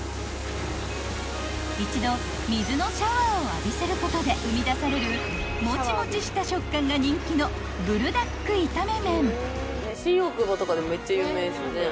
［一度水のシャワーを浴びせることで生み出されるもちもちした食感が人気のブルダック炒め麺］